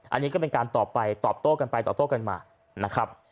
อันนี้ก็เป็นการตอบไปตอบโต้กันไปตอบโต้กันมานะครับ